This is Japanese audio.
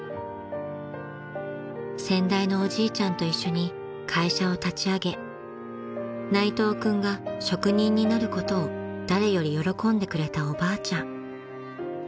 ［先代のおじいちゃんと一緒に会社を立ち上げ内藤君が職人になることを誰より喜んでくれたおばあちゃん］